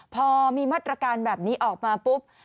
พอมีมาตรการแบบนี้ออกมาปุ๊บ